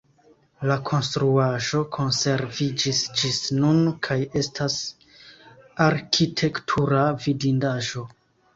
La konstruaĵo konserviĝis ĝis nun kaj estas arkitektura vidindaĵo.